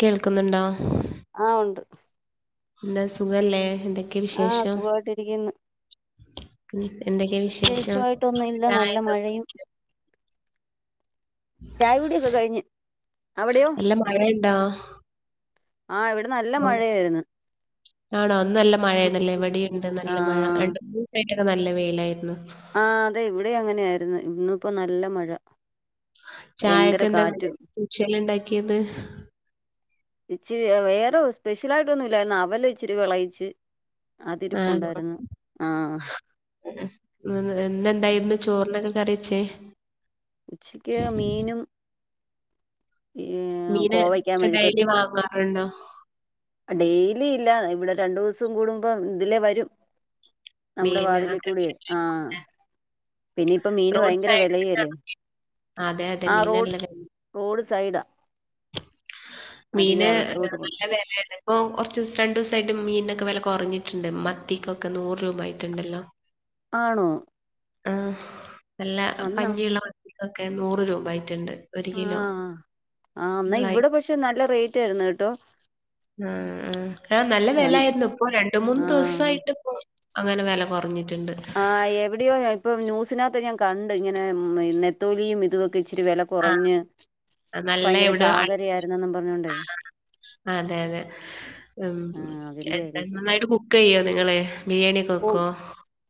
കേൾക്കുന്നുണ്ടോ ആ ഉണ്ട് പിന്നെ സുഖല്ലേ എന്തൊക്കെ ആഹ വിശേഷം സുഖമായിട്ടിരിക്ക്ന്ന് ഉം എന്തൊക്കെ വിശേഷം വിശേഷമായിട്ടൊന്നില്ല നല്ല ചായൊക്കെ മഴയും ചായ കുടിയൊക്കെ കഴിഞ്ഞ് അവിടെയോ നല്ല മഴയുണ്ടോ ആ ഇവിടെ നല്ല ഓ, മഴയായിരുന്ന് ആണോ ന്ന് നല്ല മഴയാണല്ലേ ഈവിടേംണ്ട് നല്ല മഴ ആഹ് രണ്ട് മൂന്ന് ദിവസായിട്ടൊക്കെ നല്ല വെയിലായിരുന്നു ആ അതെ ഇവിടെ അങ്ങനെയായിരുന്നു ഇന്നിപ്പോ നല്ല മഴ ഭയങ്കര ചായയൊക്കെ എന്താ കാറ്റും സൂക്ഷല്ല് ണ്ടാക്കിയത് ഇച്ചിരി വേറെ സ്പെഷ്യൽ ആയിട്ടൊന്നുംല്ലായിരുന്നു അവല് ഇച്ചിരി വെളയിച്ച് ആണോ ഇന്നെന്തായിരുന്നു ചോർന് കറി വെച്ചേ ഉച്ചക്ക് മീനും ഉം മീന് കോവക്കാ ഒക്കെ ഡെയിലി മെഴുക്കരട്ടി വാങ്ങാറുണ്ടോ ഡെയിലി ഇല്ല ഇവിടെ രണ്ടു ദിവസം കൂടുമ്പോ ഇതിലേ വരും നമ്മുടെ മീന് വാതിലിൽ കൂടെയ് ആ പിന്നെ ഇപ്പ മീന് റോഡ് ഭയങ്കര സൈഡിൽ വിലയല്ലേ അതെ അതെ ആ റോഡ് മീനല്ല റോഡ് സൈട മീന് നല്ല വിലാണ് ഓ കുറച്ച് ദിവസം രണ്ടു ദിവസായിട്ട് മീനിനൊക്കെ വില കുറഞ്ഞിട്ടുണ്ട് മത്തിക്കൊക്കെ നൂറ് രൂപ ആയിട്ടുണ്ടല്ലോ ആണോ ആ നല്ല അന്നാ പഞ്ഞിയുള്ള വട്ടികൊക്കെ നൂറ് രൂപായിട്ടുണ്ട് ആ ആ എന്നാ ഇവിടെ പക്ഷെ നല്ല റേറ്റ് ആയിരുന്നു കേട്ടോ ആ ആ ക നല്ല വില രണ്ട് ആരുന്നു ഇപ്പൊ രണ്ട മൂന്ന്ു ആ ദിവസയിട്ട് പോ അങ്ങനെ വില കുറഞ്ഞിട്ട് ആ എവിടെയോ ഇപ്പൊ ന്യൂസിനകത്ത് ഞാൻ കണ്ട് ഇങ്ങനെ നെത്തോലിയും ഇതൊക്കെ ഇച്ചിരി വില ആഹ് കുറഞ്ഞ് നല്ല ഭയങ്കര എവിടെയോ ചാകരയായിരുന്നെന്നും പറഞ്ഞോണ്ടേ അതെ അതെ ആ മ്മ് അതിന്റെ എന്ത ആയിരിക്കും നന്നായിട്ട് കുക്ക് ചെയ്യോ നിങ്ങളെ ഓ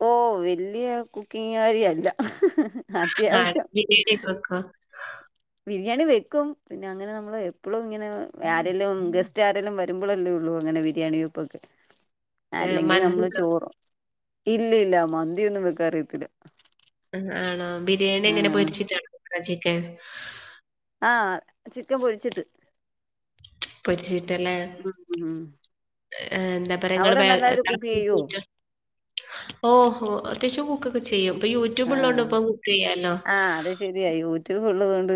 ഓ വല്യ കുക്കിങ്ങാറിയല്ല ആഹ് അത്യാവശ്യം ബിരിയാണിയൊക്കെ വെക്കോ യാണി വെക്കും പിന്നെ അങ്ങനെ നമ്മൾ എപ്പോഴും ഇങ്ങനെ ആരെല്ലും ഗസ്റ്റ് ആരെല്ലും വരുമ്പോഴല്ലേ ഉള്ളൂ അങ്ങനെ ബരിയാണി വപ്പൊക്ക് ഏഹ് അല്ലെങ്കിൽ നമ്മള് മന്തിയൊക്കെ ചോറും ഇല്ല ഇല്ല മന്തിയൊന്നും വെക്കാ അറിയത്തില്ല ആണോ ബിരിയാണി എങ്ങനെ ആഹ് പൊരിച്ചിട്ടാാണ് ബട്ട ചിക്കൻ ആ ചിക്കൻ പൊഴിച്ചിട്ട് പൊരിച്ചിട്ടല്ലേ ഉം ഉം എന്താ പറയാ നിങ്ങള് അവിടെ നല്ലായിട്ട് കുക്ക് ചെയ്യോ [unintelligible] [unintelligible] യ്യും ഇപ്പൊ യൂട്യൂബ ആഹ് ഉള്ളോണ്ട്പ്പ കുക്ക് ചെയ്യാലോ ആഹ് അത് ശരിയാ യൂട്യൂബ് ഉള്ളത് കൊണ്ട്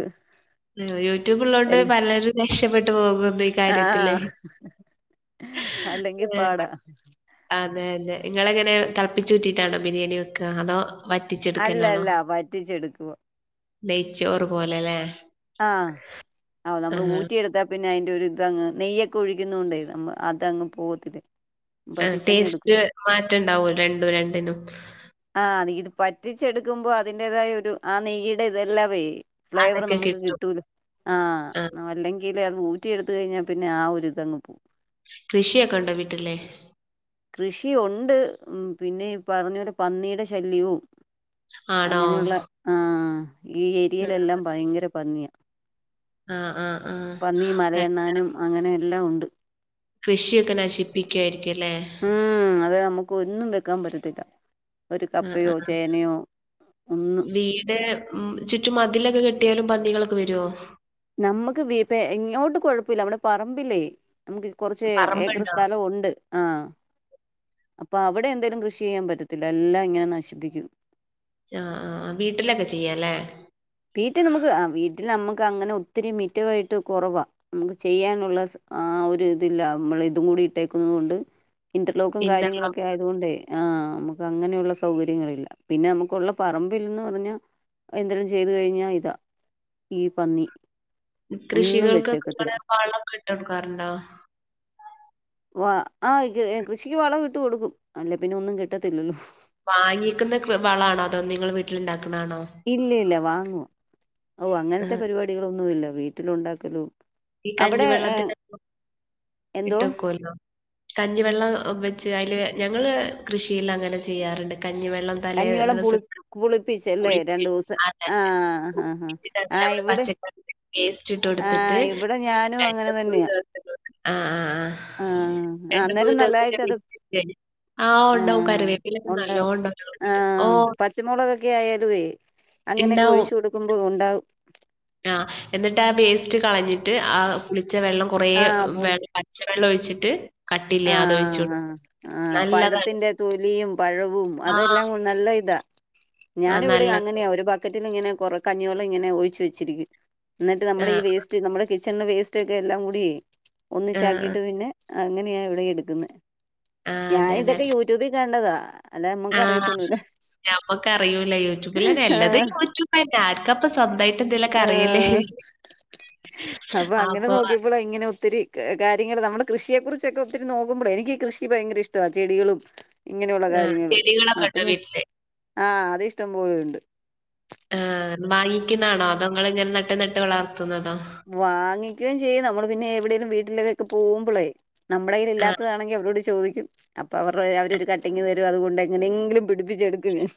യൂട്യൂബുള്ളോണ്ട് എല്ല പലരും രക്ഷപ്പെട്ടു പോകുന്നു ഈ കാര്യത്തില് ആഹ് അല്ലെങ്കി പാടാ [unintelligible] ആ അതെ അതെ [unintelligible] നിങ്ങളെങ്ങനെ തളപ്പിച്ചു വിറ്റിട്ടാണോ ബിരിയാണി ഒക്കെ അതോ അല്ല അല്ല പറ്റിച്ചെടുക്കുവ ദയിച്ചോറ് പോലെല്ലേ ആ ആ നമ്മള് ഊറ്റി എടുത്താ പിന്നെ അ [unintelligible] ഇതങ്ങ് നെയ്യൊക്കെ ഒഴിക്കുന്ന കൊണ്ടേ ന അതങ്ങ് പോവത്തില്ല ആ വറ്റിച്ചങ്ങ് എടുക്കും ടേസ്റ്റ് മാറ്റുണ്ടാവ രണ്ടും രണ്ടിനും പറ്റിച്ചെടുക്കുമ്പോൾ അതിന്റേതായ ഒരു ആ നെയ്യുടെ ഇതെല്ലാ ഫ്ലേവർ അതൊക്കെ നമുക്ക് ത് കിട്ടും കിട്ടൂല ആ ആഹ അല്ലെങ്കിൽ അത് ഊറ്റിയ എടുത്ത കഴിഞ്ഞാൽ പിന്നെ ആ ഒരുരിതങ്ങ് പോകവും കൃഷിയെ കണ്ടോ വീട്ടല്ലേ കൃഷിയ ഉണ്ട് ഉ പിന്നെ പറഞ്ഞൊരു പന്നിയുടെ ശല്യവും അങ്ങനെയുള്ള ആണോ ആഹ ഈ ഏരിയയിലെല്ലാം ഭയങ്കര ഭന്നിയ ആഹ് ആഹ് ആഹ് പന്നി അഹ് മലയെണ്ണാനും അങ്ങനെയെല്ലാം ഉണ്ട് കൃഷിയൊക്കെ നശിപ്പിക്കുായിരിക്കും അല്ലേ ഉം അത് നമുക്ക് ഒന്നും വെക്കാൻ പറ്റത്തില്ല ഒരു ആ ആ കപ്പയോ ചേനയോ ഒന്നും വീട് ഉ ചുറ്റും മതിലൊക്കെ കെട്ടിയാലും കളൊക്കെ വരുവോ നമ്മുക്ക്പ്പ [unintelligible] ഇങ്ങോട്ട് കൊഴപ്പമില്ല അവിടെ പറമ്പില്ലേ നമുക്ക് കുറച്ച് ഏക്കർ പറമ്പുണ്ടോ? സ്ഥലം ഉണ്ട് ആഹ അപ്പൊ അവിടെ എന്തേലും കൃഷി ചെയ്യാൻ പറ്റത്തില്ല എല്ലാം ഇങ്ങനെ നശിപ്പിക്കും ആ ആ വീട്ടിലൊക്കെ ചെയ്യല്ലേ വീട്ടിൽ നമുക്ക് ആ വീട്ടിൽ നമ്മക്ക് അങ്ങനെ ഒത്തിരി മിറ്റവമായിട്ട് കുറവാണ് നമുക്ക് ചെയ്യാനുള്ള ആ ഒരു ഇതില്ല നമ്മൾ ഇതും കൂ [unintelligible] ട്ടേക്കുന്നത്ണ്ട് ഇന്റർലോക്കും കാര്യങ്ങളൊക്കെ ഇന്റർലോക്ക് ആയതുകൊണ്ട് ആ നമുക്ക് അങ്ങനെയുള്ള സൗകര്യങ്ങളില്ല പിന്നെ നമുക്കുള്ള പറമ്പിൽന്ന് പറഞ്ഞാൽ എന്തെും ചെയ്ത് കഴിഞ്ഞാ ഇതാ ഈ പന്നി ഒന്നും കൃഷികൾക്കൊക്കെ വെച്ചേക്കത്തില്ല ഇങ്ങടെെ വള്ളക്കെ ഇട്ട കൊടുക്കാറുണ്ടോ ആ ആ കൃഷിക്ക് വളം ഇട്ട് കൊടുക്കും അല്ല പിന്നെ ഒന്നും കിട്ടത്തില്ലല്ലോ വാങ്ങിക്കുന്ന വളാണോ അതോ നിങ്ങൾ വീട്ടിലുണ്ടാക്ക ഇല്ല ഇല്ല വാങ്ങുവ ഓ അങ്ങനത്തെ ആഹ് പരിപാടികൾൊന്നല്ല വീട്ടില ഉണ്ടാക്കലും ഈ കഞ്ഞിവെള്ളത്തി ഇട്ട എന്തോ വെക്കല്ലോ കഞ്ഞ വെള്ളം വെച്ച് അതില് ഞങ്ങൾ കൃഷിയിൽ അങ്ങനെ ചെയ്യാറുണ്ട് കഞ്ഞിവെള്ളം തല കഞ്ഞിവെള്ളം ദിവസ പുളി പുളിപ്പിച്ചല്ലേ രണ്ടു ദിവസം ആഹ് ആഹ് ആഹ് ആഹ് ഇവിടെ നമ്മൾപച്ചകറിടെ പേസ്റ്റ് ഇട്ട എടുത്തിട്ട് അ ഞാനും അങ്ങനെ തന്നെയാ ആ ആ ആ ആ അന്നേരം നല്ലതായിട്ട് അത് ആഹ് ഉണ്ടാവും ആഹ കറിവേപ്പിലൊക്കെ ഉണ്ട് നല്ലോണം ഉണ്ടാവും ഞങ്ങളെ ആഹ വീട്ടില്. ഓഹ് പച്ചമുളകൊക്കെ ആയാലേ അങ്ങനെയൊക്കെ ഒഴിു കൊടുക്കുമ്പോ ഉണ്ടാവും ആഹ എന്നിട്ട് ആ പേസ്റ്റ് കളഞ്ഞിട്ട് ആ പുളി ച്ചവെള്ളം കുറെ ആഹ് പുളി പച്ചവെള്ളം ഒഴിച്ചിട്ട് കട്ടില്ല അതൊഴിച്ചു. ആ കൊടുക്കും. ആ നല്ലതാണ്. പഴത്തിന്റെ തൊലിയും പഴവും ആഹ് അതെല്ലാം നല്ല ഇതാ. ആഹ് ഞാന് ഇവിടെ നല്ലത്. അങ്ങനെയാ ഒരു ബക്കറ്റിലിങ്ങനെ കൊറ കഞ്ഞിവളം ഇങ്ങനെ ഒഴിച്ചു വെച്ചിരിക്കും. എന്നിട്ട് നമ്മുടെ ഈ ആഹ് വേസ്റ്റ് നമ്മുടെ കിച്ചണിലെ വേസ്റ്റ് ഒക്കെ എല്ലാം കൂടി ആഹ് ഒന്നിച്ചാക്കിയിട്ട് പിന്നെ അങ്ങന ഇവിടെ എടുക്കുന്നെ ആഹ് ഞാ അതെ അതെ. ഇതൊക്കെ യൂട്യൂബി കണ്ടതാ അല്ല നമ്മുക്ക് അറിയത്തൊന്നൂല്ല. ഞമ്മക്ക അറിയൂല്ല. യൂട്യൂബിൽന്നെ നല്ലതും യൂട്യൂബ് തന്നെ ആർക്കപ്പ സ്വന്തായിട്ട് എന്തേലൊക്കെ ആ അറിയല്. അപ്പൊ അങ്ങനെ നോക്കിയപ്പോള ഇങ്ങനെ ഒത്തിരി കാര്യങ്ങ നമ്മള് കൃഷിയെ കുറിച്ചൊക്കെ ഒത്തിരി നോക്കുമ്പോളെഎനിക്ക് കൃഷിഭയങ്കര ഇഷ്ട ചെടളും ഇങ്ങനെയുള്ള ആഹ് കാര്യങ്ങള് ചെടികളൊക്കെ അപ്പൊ ഇണ്ടോ ഞാ വീട്ടില്? ആഹ് അത് ഇഷ്ടംപോലുണ്ട്. ആ വാങ്ങിക്കുന്നാണോ അതോങ്ങ ഇങ്ങനെ നട്ട് നട്ട് വളർത്തുന്നതോ. വാങ്ങിക്കുകയും ചെയ്യും നമ്മള് പിന്നെ എവിടെലും വീട്ടിലൊക്കെ പോകുമ്പോളേ നമ്മുടെല് ആഹ് ഇല്ലാത്തതാണെങ്കി അവരോട് ചോദി അപ്പൊ അവരുടെ അവരരു കട്ടിങ്ങ് തരും അതുകൊണ്ട് എങ്ങനെങ്കിലും പിടിപ്പിച്ചെടുക്കും ഞാൻ.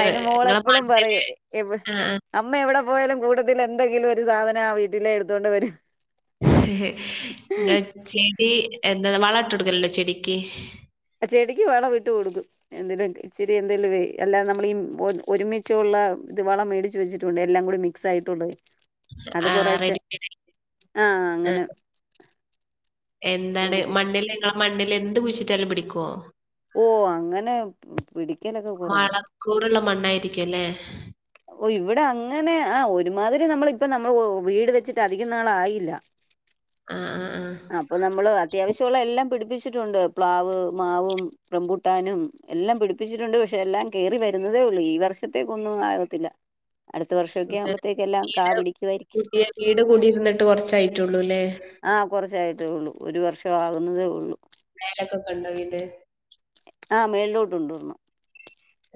അതിന് ഇങ്ങളെ മോളെപ്പോഴും പറയൂ മണ്ണില് എ ആഹ് അമ്മ എവിടെ പോയാലും കൂടുതൽ എന്തെങ്കിലും ഒരു സാധനം ആ വീട്ടിലെ എടുത്തുകൊണ്ട് വരും. ചെടി എന്താ വളട്ട് എടുക്കലല്ലോ ചെടിക്ക്. ആ ചെടിക്ക് വളം ഇട്ട് കൊടുക്കും. എന്തേലും ഇച്ചിരി എന്തേലും അല്ലാ നമ്മള ഒരുമിചോള്ള ഇത് വളം മേടിച്ച് വച്ചിട്ടണ്ട് എല്ലാം കൂടി മിക്സ് ആയിട്ടുണ്ട്. ആ റെഡിമെയ്ഡ്ആ ആഹ് അങ്ങനെ എന്താണ് കൊടുക്കും മണ്ണിൽ നിങ്ങമണ്ണിൽ എന്ത് കുഴിച്ചിട്ടാലും പിടിക്കുവോ? ഓ അങ്ങനെ പിടിക്കലൊക്കെ കുറവാ. രിക്കല്ലേ. ഓ ഇവിടെ അങ്ങനെ ആ ഒരുമാതിരി നമ്മള ഇപ്പ നമ്മള് വീട് വെച്ചിട്ട് അധികം നാളായില്ല. ആഹ് ആഹ് ആഹ്. അപ്പൊ നമ്മള് അത്യാവശ്യമുള്ള എല്ലാം പിടിപ്പ പിപ്പിച്ചിട്ടുണ്ട് പ്ലാവ് മാവും റംമ്പുട്ടാനും എല്ലാം പിടിപ്പിച്ചിട്ടുണ്ട്. പക്ഷെ എല്ലാം കേറി വരുന്ന തേള്ളൂ ഈ വർഷത്തേക്ക് ഒന്നും ആകത്തില്ല. അടുത്ത വർഷൊക്കെ ആകുമ്പോത്തേക്ക എല്ലാം കാ കീട പിടിക്കുയിരിക്കും. പുതിയ വീട് കൂടിയിരുന്നിട്ട് കൊറച്ചായിട്ടുള്ളൂല്ലേ ആ കുറച്ചായിട്ടേ ഉള്ളൂ. ഒരു വർഷം ആകുന്നതേ ഉള്ളു. നലക്കെക്കണ്ടോ വീത് [inaudible] ആ മേളിലോട്ട്ണ്ട വന്നു.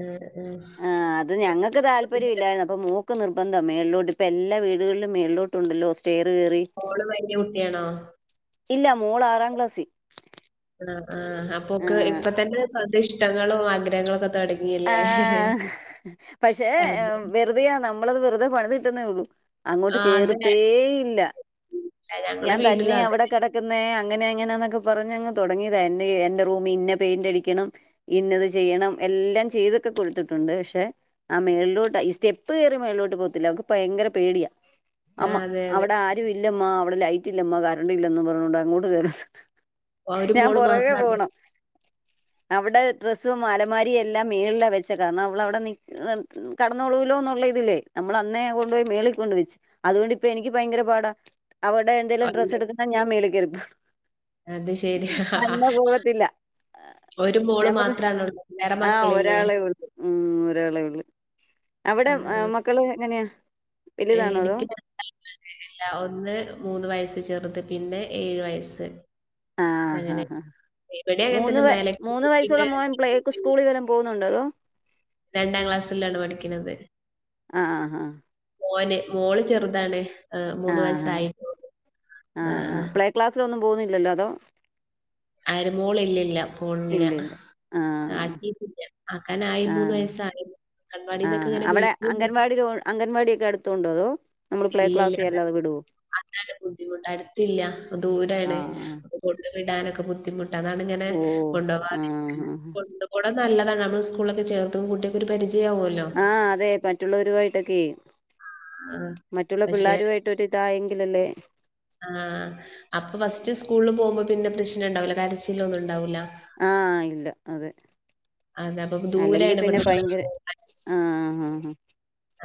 ആഹ് ആഹ് ആഹ് അത് ഞങ്ങക്ക് താല്പര്യം ഇല്ലായിരുന്നു. അപ്പ മോ ക്ക്നിർബന്ധം മേളിലോട്ട് ഇപ്പൊ എല്ലാ വീടുകളിലും മേളിലോട്ടുണ്ടല്ലോ. സ്റ്റെയർ കേറി ഓള് വല്യ കുട്ടിയാണോ? ഇല്ല മോള് ആറാം ക്ലാസ്സി ആ ആ അപ്പൊക്ക് ഇപ്പ തന്നെ സ്വന്ത ഇഷ്ടങ്ങളും ആഗ്രഹങ്ങളോ ആ പക്ഷേ അതെ വെറുതെയാ നമ്മളത് വെറുതെ പണിതി കിട്ടുന്നേ ഒള്ളു. അങ്ങോട്ട് ആഹ് അതെ കേറത്തേയില്ല. ഞങ്ങളെ ഞാൻ തന്നെ വീട്ടിലും അതെ അവിടെ കേടക്കുന്നെ അങ്ങനെ അങ്ങനൊക്കെ പറഞ് അങ്ങ് തൊടങ്ങിയതാ എ എന്റെ റൂമ് ഇന്ന പെയിന്റ്ടിക്കണം. ഇന്നത് ചെയ്യണം എല്ലാം ചെ ചെയ്തൊക്കെ കൊടുത്തിട്ടൊണ്ട് പഷേ ആ മേളിലോട്ട് ഈ സ്റ്റെപ്പ് കയറി മേളിലോട്ട് പോകത്തില്ല. അവക്ക് ഭയങ്കര പേടിയാ. അമ്മ ആഹ് അതെ അതെ അവിടെ ആരും ഇല്ലമ്മ. അവിടെ ലൈറ്റ് ഇല്ലമ്മ. കരണ്ട്ല്ല പറഞ്ഞോണ്ട് അങ്ങോട്ട് കേറി ഒരു ഞാൻ മോള് പൊറകെ മാത്രാണോ പോണം. അവിടെ ഡ്രസും അലമാരി എ മേളില വെച്ച കാരണം അവളവിടെ നി കേടന്നൊളൂലൊന്നുള്ള ഇതിലെ നമ്മള് അന്നേ കൊണ്ടുപോയി മേളി കൊണ്ട് വെച്ചു അതുകൊണ്ടിപ്പ എനിക്ക് ഭയങ്കര പാടാ അവരുടെ എന്തെലും ഡ്രസ്സ് ഒണ്ട് എടുക്കുണെ ഞാൻ മേളിക്കെറി അത് ശരി പോകത്തില്ല ഒരു മോള് ഞാൻ പറഞ്ഞു മാത്രണള്ളൂ വേറെ മക്ക ആ ഒരാളെ ഒള്ളു. ഉം ഒരാളെ ഒള്ളു. അവ്ടെ ആഹ് മക്കള് എങ്ങനെയാ. വലുതാണോ അതോ എനിക്ക് [unintelligible] ഒന്ന് മൂന്ന് വയസ് ചെറുത് പിന്നെ ഏഴ് വയസ്സ്. അങ്ങനെ ആഹ് ഇവിടെ അങ്ങനെ മൂന്ന് തന്നെ മേലേക്ക് മൂന്ന് വയസ്സുള്ള തൂക്കിയിട്ട് മോൻ പ്ലേക്ക് സ്കൂളി വല്ലോം പോ ന്ന്ണ്ടൊതൊ രണ്ടാം ക്ലാസ്സിലാണ് പഠിക്ക്ണത്. ആഹ് ആ ആഹ് മോന് മോള് ചെറുതാണ് ഏഹ് മൂന്ന് ആഹ് വയസ്സായിട്ടുള്ളൂ ആാ ആഹ് ആ പ്ലേക്ലാസ്സിലൊന്നും പോകുന്നില്ലല്ലോ അതോ ആര് മോൾ ഇല്ലല്ല പോണില്ല ഇല്ല ഇല്ല ആ ആക്കിട്ടില്ല ആക്കൻ ആയി ആ മൂന്ന് വയസായി ആഹ് അവ്ടെ അംഗൻവാടി അംഗൻവാടിയൊക്കെ അടുത്തോണ്ടോ അതോ നമ്മള് പ്ലെ ക്ലാസ്സിൽ അല്ലതെ വിടുവൊ അതിനാണ് ബുദ്ധിമുട്ട് അടുത്തില്ല ദൂരാണ് ആഹ് അപ്പൊ കൊണ്ട് ടാനൊക്കെ ബുദ്ധിമുട്ട് അതാണ് ഇങ്ങനെ ഓഹ് കൊണ്ടോവാതിരിക്കണേ ആഹ് കൊണ്ട്പൊ നല്ലതാണ് നമ്മ സ്കൂളൊക്കെ ചേർത്തും കുട്ടി ഒര് പരിച ആഹ് അതെ മറ്റുള്ളവരുമായിട്ടൊക്കെയെ ആഹ് മറ്റുള്ള പക്ഷെ പിള്ളരുവായിട്ട് ഒര് ഇതായെങ്കിലല്ലേ ആഹ് അപ്പൊ ഫസ്റ്റ് സ്കൂളില് പോകുമ്പോ പിന്നെ പ്രശ്നം ഉണ്ടാവൂല കരച്ചിൽ ഒന്നും ഉണ്ടാവൂല്ല ആഹ് ഇല്ല അതെ അതെ അപ്പൊ അല്ലെങ്കി ദൂരെയാണ് പിന്നെ ഇവിടുന്ന് ഇവിടെ, ഭയങ്കര ആ ആഹ് ആഹ് ആ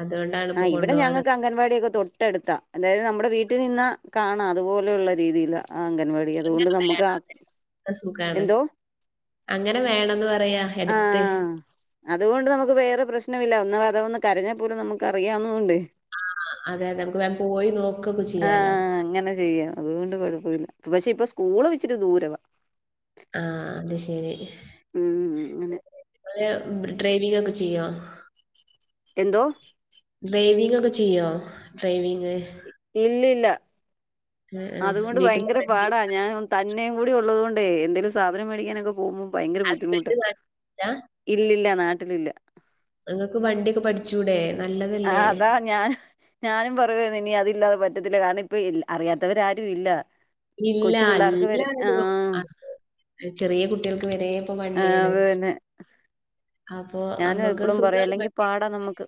അതുകൊണ്ടാണ് ആ ഇപ്പൊ ഇവ്ടെ കൊണ്ടുപോവാതെ ഞങ്ങക്ക് അംഗൻവാടിയൊക്കെ തൊട്ട് അടുത്താ അതായത് നമ്മുടെ വീട്ടിൽ നിന്ന കാണാം അതുപോലെള്ള രീതിയിലാ ആ അംഗൻവാടി അതുകൊണ്ട് അങ്ങനെ നമുക്ക് ആ വേണം അതൊക്കെ സുഖാണ് എന്തോ അങ്ങനെ വേണംന്ന് പറയാ എടുത്ത് ആഹ് അതുകൊണ്ട് നമുക്ക് വേറെ പ്രശ്നം ഇല്ല എന്നാ അഥവാ ഒന്ന് കരഞ്ഞ പോലും നമുക്ക് അറിയാന്നകൊണ്ടേ ആഹ് അതെ അതെ നമുക്ക് വേം പോയി നോക്കൊക്കെ ചെയ്യാലോ ആഹ് അങ്ങനെ ചെയ്യാം അതുകൊണ്ട് കൊഴപ്പവില്ല പഷേ ഇപ്പൊ സ്കൂളും ഇച്ചിരി ദൂരവാ ആഹ് അത് ശരി ഉം അങ്ങനെ ഡ്രൈവിംങ്ങ് ഒക്കെ ചെയ്യുവോ എന്തോ ഒക്കെ ചെയ്യോ ഡ്രൈവിങ്ങ് ഇല്ല അതുകൊണ്ട് വീട്ടില് ഭയങ്കര വണ്ടി പാടാ ഞാൻ തന്നേം കൂടി ഒള്ളത് കൊണ്ടെ എന്തേലും സാധനം മേടിക്കാനൊക്കെ പോകുമ്പോ ഭയങ്കര ബുദ്ധിമുട്ടാ ഹസ്ബൻഡ് നാട്ടിലില്ല ഇല്ലല്ല നാട്ടിലില്ല നിങ്ങൾക്ക് വണ്ടിയൊക്കെ പഠിച്ചുടെ ആ അതാ ഞാനും ഞാനും പ പറയുവാരുന്നു ഇനി അതില്ലാതെ പറ്റത്തില്ല കാരണം ഇപ്പ അറിയാത്തവര് ആരും ഇല്ല ഇല്ല കൊച്ചു പിള്ളേർക്ക് വരെ അല്ലാരും ആഹ് അ ചെറിയ കുട്ടികൾക്ക് വരെപ്പ ആഹ് വണ്ടിയാണ് അത് തന്നെ അപ്പൊ ഞാനും അമ്മക്ക് ഇപ്പളും പറയും സുഖാണ് അല്ലെങ്കി വണ്ടി പാടാ നമ്മക്ക്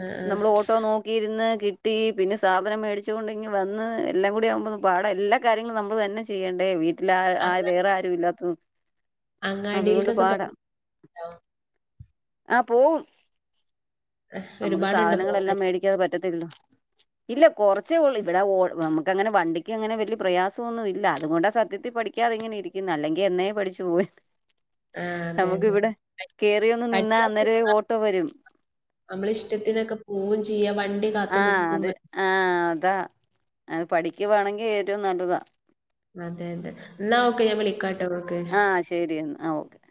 ആ, ആ. നമ്മള് ഓട്ടോ നോക്കിയിരുന്ന് കിട്ടി പിന്നെ സാധനം മേടിച്ചു കൊണ്ട് ഇങ്ങ് വന്ന് എല്ലാം കൂടി ആകുമ്പോ പാടാ എല്ലാ കാര്യങ്ങളും നമ്മള് തന്നെ ചെയ്യേണ്ടേ വീട്ടിൽ ലാ ആ വേറെ ആരും ഇല്ലാത്തകൊണ്ട് അങ്ങാടിയിൽക്കൊക്കെ തോന്നേ ഉ ണ്ടോ ആ പോകും ഹെ ഒരുപാടുണ്ടോ പോകാൻ പറ്റത്തില്ലല്ലോ [inaudible] ഇല്ല കൊറച്ചേ ഉള്ളു ഇവിടെ ഓ നമുക്ക് അങ്ങനെ വണ്ടിക്ക് അങ്ങനെ വലിയ പ്രയാസമൊന്നും ഇല്ലാ അതുകൊണ്ടാ സത്യത്തിൽ പഠിക്കാ ക്കാതെ ഇങ്ങനെ ഇരിക്കുന്നേ അല്ലെങ്കിൽ എന്നേ പഠിച്ചു പോയേ ന്നേ ആ, അതെ അതെ നമുക്കിവിടെ കേറി ഒന്ന് നിന്നാ അന്നേരമേ ഓട്ടോ വരും നമ്മള് ഇഷ്ടത്തിനൊക്കെ പോവുകയും ചെയ്യാം വണ്ടി കാത്തു ആ നിൽക്കും അതെ ആഹ അതാ അത് പഠിക്കുവാണെങ്കിൽ ഏറ്റവും നല്ലതാ അതെ അതെ എന്നാ ഓക്കെ ഞാൻ വിളിക്കാട്ടോ നിങ്ങൾക്ക് ആ ശരി എന്നാ ഓക്കെ